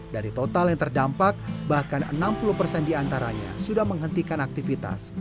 dari total yang terdampak bahkan enam puluh persen diantaranya sudah menghentikan aktivitas